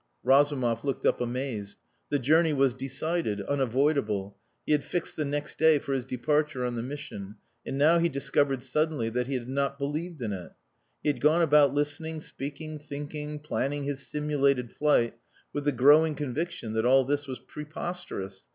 Razumov looked up amazed. The journey was decided unavoidable. He had fixed the next day for his departure on the mission. And now he discovered suddenly that he had not believed in it. He had gone about listening, speaking, thinking, planning his simulated flight, with the growing conviction that all this was preposterous.